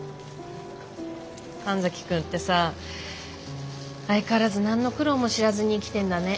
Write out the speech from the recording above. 神崎君ってさ相変わらず何の苦労も知らずに生きてんだね。